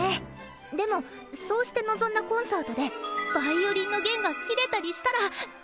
でもそうして臨んだコンサートでヴァイオリンの弦が切れたりしたらどうするんですか？